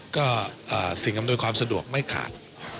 ก็สิ่งอำนวยความสะดวกไม่ขาด